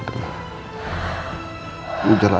ya allah maksiatina